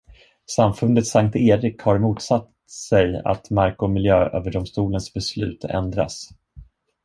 Samfundet Sankt Erik har motsatt sig att Mark- och miljööverdomstolens beslut ändras.